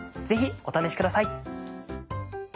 ぜひお試しください。